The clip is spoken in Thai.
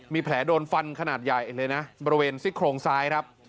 มีแผลโดนฟันขนาดใหญ่เลยนะบริเวณซี่โครงซ้ายครับ